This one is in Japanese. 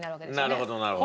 なるほどなるほど。